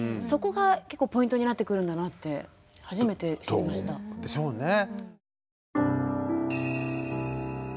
そこが結構ポイントになってくるんだなって初めて知りました。でしょうね。